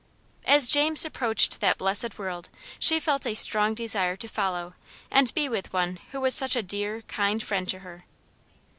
As James approached that blessed world, she felt a strong desire to follow, and be with one who was such a dear, kind friend to her.